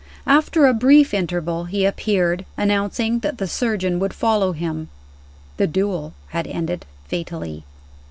After a brief interval he appeared, announcing that the surgeon would follow him. The duel had ended fatally.